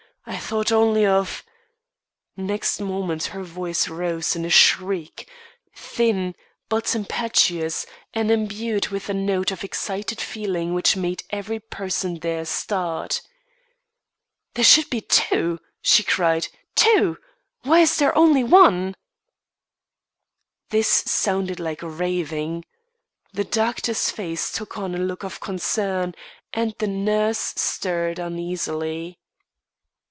I thought only of " Next moment her voice rose in a shriek, thin but impetuous, and imbued with a note of excited feeling which made every person there start. "There should be two," she cried. "Two! Why is there only one?" This sounded like raving. The doctor's face took on a look of concern, and the nurse stirred uneasily.